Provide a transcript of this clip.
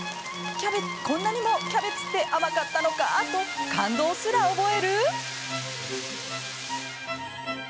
こんなにもキャベツって甘かったのか！と感動すら覚える。